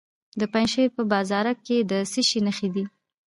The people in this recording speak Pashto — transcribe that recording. د پنجشیر په بازارک کې د څه شي نښې دي؟